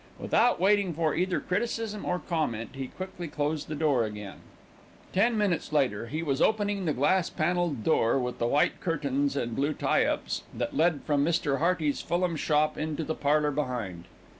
Without waiting for either criticism or comment, he quickly closed the door again. Ten minutes later, he was opening the glass panelled door, with the white curtains and blue tie ups, that led from Mr. Hearty's Fulham shop to the parlour behind.